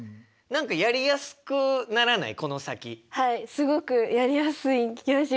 はいすごくやりやすい気がします。